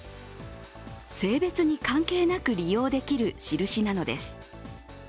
性別に関係なく利用できる印なのです。